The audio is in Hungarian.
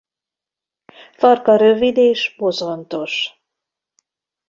Farka rövid és bozontos.